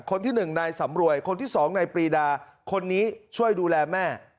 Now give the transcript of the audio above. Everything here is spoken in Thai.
คนที่๑นายสำรวยคนที่๒นายปรีดาคนนี้ช่วยดูแลแม่